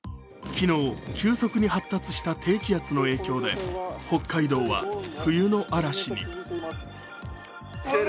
昨日、急速に発達した低気圧の影響で北海道は冬の嵐に。